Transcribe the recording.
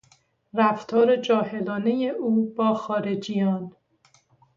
رفتار جاهلانهی او با خارجیان